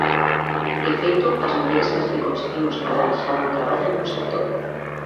De feito, as mulleres coas que conseguimos falar xa non traballan no sector.